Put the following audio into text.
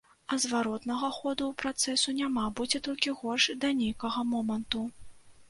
А зваротнага ходу ў працэсу няма, будзе толькі горш да нейкага моманту.